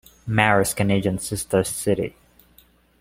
Marie's Canadian sister city.